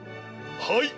はい。